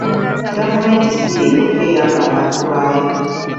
Gavumenti si ye yokka eyamba abantu baayo.